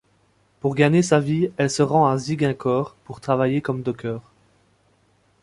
Pour gagner sa vie, elle se rend à Ziguinchor pour travailler comme docker.